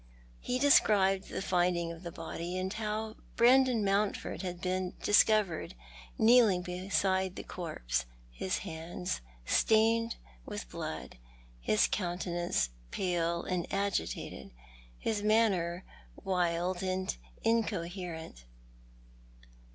He described the finding of the body, and how Brandon Mountford had been discovered kneeling beside the corpse — his hands stained with blood, his countenance pale and agitated, his manner wild and incoherent.